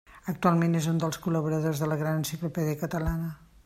Actualment, és un dels col·laboradors de la Gran Enciclopèdia Catalana.